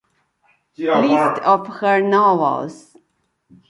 List of her novels.